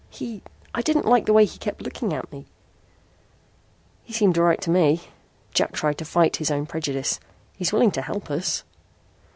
"He I didn't like the way he kept looking at me." "He seemed all right to me." Jack tried to forget his own prejudice. "He's willing to help us."